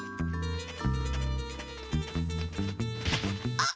あっ！